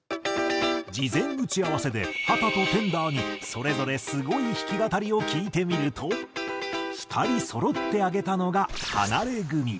事前打ち合わせで秦とＴＥＮＤＲＥにそれぞれすごい弾き語りを聞いてみると２人そろって挙げたのがハナレグミ。